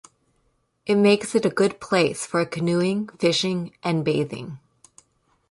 It makes it a good place for canoeing, fishing and bathing.